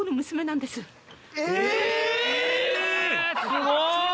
⁉すごい！